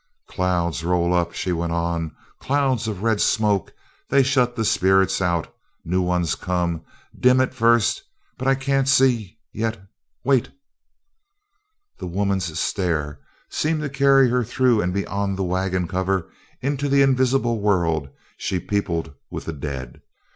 "Clouds roll up " she went on, "clouds of red smoke they shut the spirits out new ones come dim at first but I can't see yet. Wait!" The woman's stare seemed to carry her through and beyond the wagon cover into the invisible world she peopled with the dead.